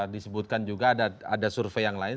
disebutkan juga ada survei yang lain